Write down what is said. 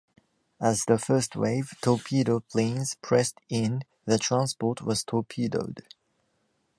As the first wave, torpedo planes, pressed in, the transport was torpedoed.